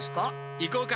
行こうか。